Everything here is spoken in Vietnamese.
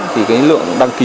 thì cái lượng đăng ký